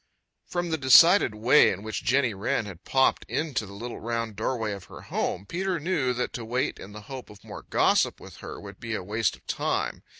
From the decided way in which Jenny Wren had popped into the little round doorway of her home, Peter knew that to wait in the hope of more gossip with her would be a waste of time.